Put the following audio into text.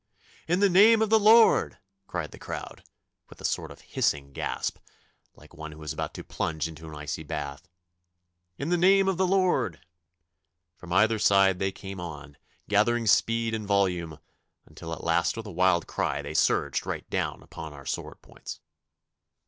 'In the name of the Lord!' cried the crowd, with a sort of hissing gasp, like one who is about to plunge into an icy bath. 'In the name of the Lord!' From either side they came on, gathering speed and volume, until at last with a wild cry they surged right down upon our sword points.